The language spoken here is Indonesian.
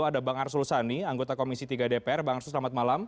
ada bang arsul sani anggota komisi tiga dpr bang arsul selamat malam